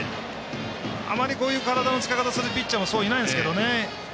あまり、こういう体の使い方をするピッチャーはそういないんですけどね。